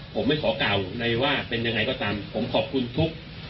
ผมไม่ขอกล่าวเลยว่าเป็นยังไงก็ตามผมขอบคุณทุก